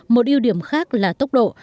một ưu điểm khác là tốc độ